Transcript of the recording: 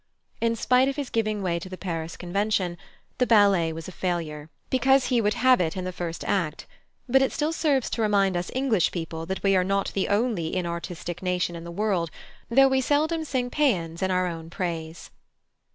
In spite of his giving way to the Paris convention, the ballet was a failure, because he would have it in the first act; but it still serves to remind us English people that we are not the only inartistic nation in the world, though we seldom sing pæans in our own praise.